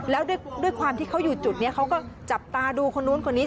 แล้วด้วยความที่เขาอยู่จุดนี้เขาก็จับตาดูคนนู้นคนนี้